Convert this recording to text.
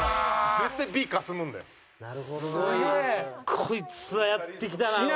こいつはやってきたな。